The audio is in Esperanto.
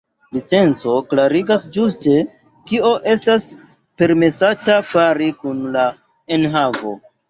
Licenco klarigas ĝuste kio estas permesata fari kun la enhavo.